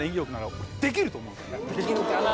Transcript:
できるかな？